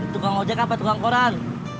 tukang ojek apa tukang koran